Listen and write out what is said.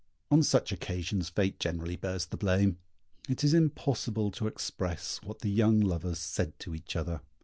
On such occasions fate generally bears the blame. It is impossible to express what the young lovers said to each other.